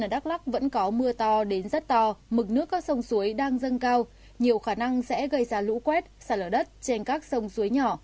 đắk lắc vẫn có mưa to đến rất to mực nước các sông suối đang dâng cao nhiều khả năng sẽ gây ra lũ quét sạt lở đất trên các sông suối nhỏ